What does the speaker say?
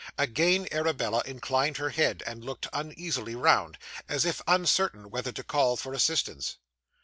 Again Arabella inclined her head, and looked uneasily round, as if uncertain whether to call for assistance.